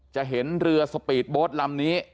จะเห็นเรือสปีดโบสต์ลำนี้